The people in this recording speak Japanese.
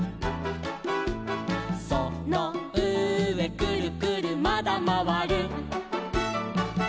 「そのうえくるくるまだまわる」